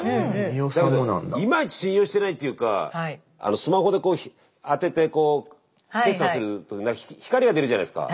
だけどいまいち信用してないっていうかスマホでこう当ててこう決済すると光が出るじゃないですか。